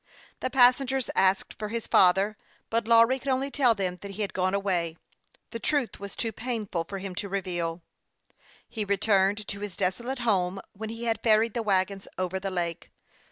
The passengers asked for his father ; but Lawry could .only tell them that he had gone away : the truth was too painful for him to reveal. He returned to his desolate home when he had ferried the wagons over the lake.